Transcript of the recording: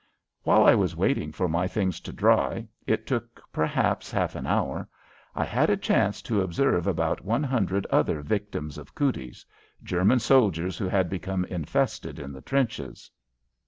While I was waiting for my things to dry it took, perhaps, half an hour I had a chance to observe about one hundred other victims of "cooties" German soldiers who had become infested in the trenches.